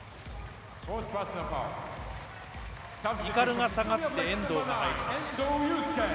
鵤が下がって、遠藤が入ります。